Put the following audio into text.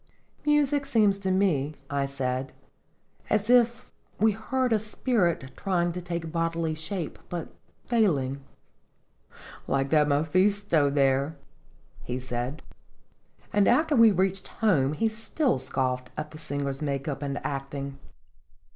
" Music seems to me," I said, "as if we heard a spirit trying to take bodily shape, but failing." " Like that Mephisto there," he said; and after we reached home he still scoffed at that singer's make up and acting.